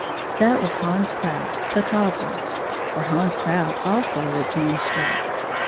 That was Hans Krout, the cobhler. For Hana Krout also was moon struck.